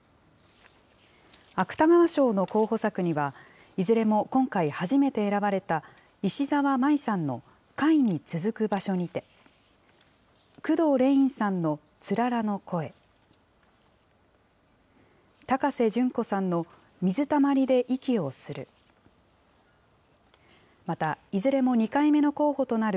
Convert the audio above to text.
芥川賞の候補作には、いずれも今回、初めて選ばれた石沢麻依さんの貝に続く場所にて、くどうれいんさんの氷柱の声、高瀬隼子さんの水たまりで息をする。